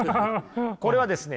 これはですね